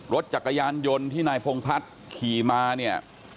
รถจักรยานยนต์ที่นายพงพัฒน์ขี่มาเนี่ย